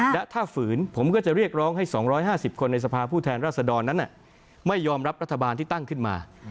และถ้าฝืนผมก็จะเรียกร้องให้๒๕๐คนในสภาผู้แทนรัศดรนั้นไม่ยอมรับรัฐบาลที่ตั้งขึ้นมา